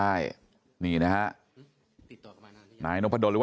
น้าสาวของน้าผู้ต้องหาเป็นยังไงไปดูนะครับ